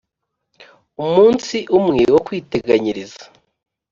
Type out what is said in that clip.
umunsi umwe wo kwiteganyiriza.